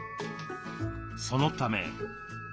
そのため。